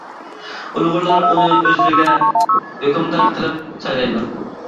ئۇيغۇرلار ئۇنى ئۆزلىرىگە ھۆكۈمدار قىلىپ سايلايدۇ.